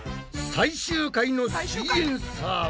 最終回の「すイエんサー」は？